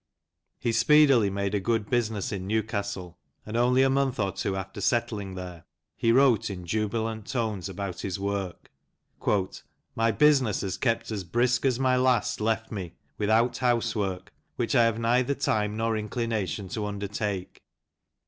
He speedily made a good business in Newcastle, and only a month or two after settling there he wrote in jubilant tones about his work. " My business has kept as brisk as my last left me, without housework, which I have neither time nor inclination to undertake.